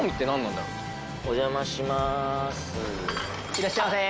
いらっしゃいませ。